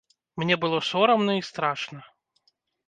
Мне было сорамна і страшна.